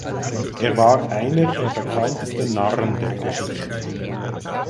Er war einer der bekanntesten Narren der Geschichte.